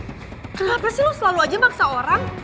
kenapa sih lo selalu aja maksa orang